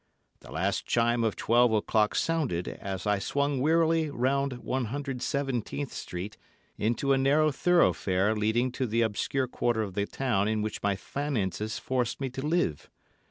The last chime of twelve o'clock sounded, as I swung wearily round 117th Street into a narrow thoroughfare leading to the obscure quarter of the town in which my finances forced me to live.